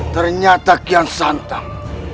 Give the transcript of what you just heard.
ternyata kian santang